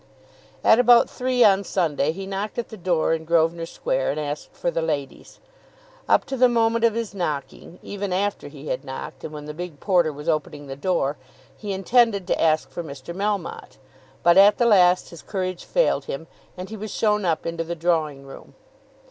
At about three on Sunday he knocked at the door in Grosvenor Square and asked for the ladies. Up to the moment of his knocking, even after he had knocked, and when the big porter was opening the door, he intended to ask for Mr. Melmotte; but at the last his courage failed him, and he was shown up into the drawing room.